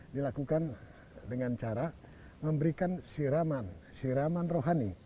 dilakukan dengan cara memberikan siraman siraman rohani